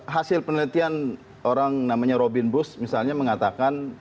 hasil penelitian orang namanya robin bush misalnya mengatakan